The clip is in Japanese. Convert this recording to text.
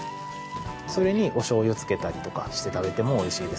それにおしょうゆつけたりとかして食べても美味しいですね。